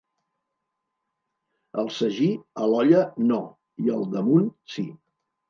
El sagí, a l'olla, no, i al damunt, sí.